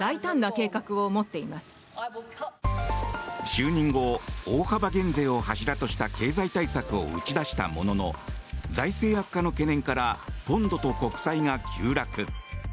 就任後、大幅減税を柱とした経済対策を打ち出したものの財政悪化の懸念からポンドと国債が急落。